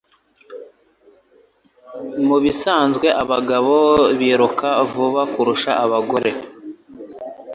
Mubisanzwe, abagabo biruka vuba kurusha abagore.